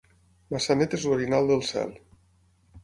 Maçanet és l'orinal del cel.